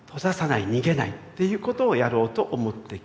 逃げないっていうことをやろうと思って決めた。